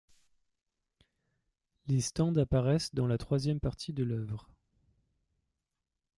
Les Stands apparaissent dans la troisième partie de l'œuvre.